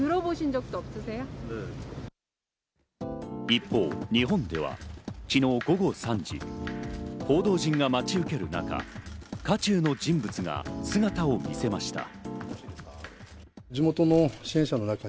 一方、日本では昨日午後３時、報道陣が待ち受ける中、渦中の人物が姿を見せました。